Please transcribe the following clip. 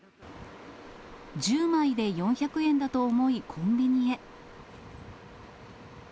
１０枚で４００円だと思いコンビニへ。